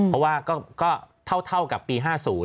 เพราะว่าก็เท่ากับปี๕๐